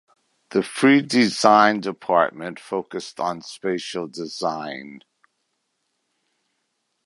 The Free Design department focused on spatial design.